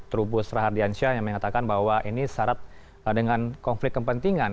trubus rahardiansyah yang mengatakan bahwa ini syarat dengan konflik kepentingan